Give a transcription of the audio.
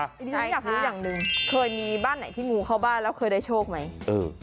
อันนี้ฉันอยากรู้อย่างหนึ่งเคยมีบ้านไหนที่งูเข้าบ้านแล้วเคยได้โชคไหม